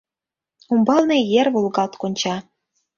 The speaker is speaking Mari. Умбалне ер волгалт конча.